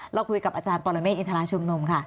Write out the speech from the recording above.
เราคุยกับอาจารย์ปรเมฆอินทราชุมนุมค่ะ